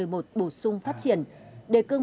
bổ sung phát triển đề cương